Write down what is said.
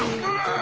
あ！